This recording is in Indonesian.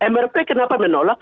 mrp kenapa menolak